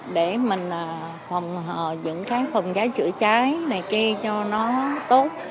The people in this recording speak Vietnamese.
để mình phòng họ dựng cái phòng trái chữa trái này kia cho nó tốt